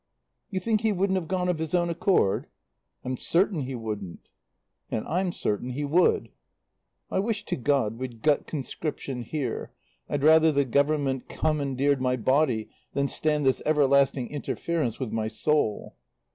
"You think he wouldn't have gone of his own accord?" "I'm certain he wouldn't." "And I'm certain he would." "I wish to God we'd got conscription here. I'd rather the Government commandeered my body than stand this everlasting interference with my soul."